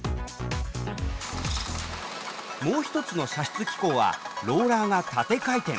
もう一つの射出機構はローラーが縦回転。